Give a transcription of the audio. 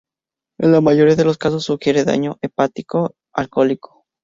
En la mayoría de los casos sugiere daño hepático alcohólico.